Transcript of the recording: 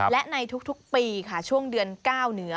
และในทุกปีค่ะช่วงเดือน๙เหนือ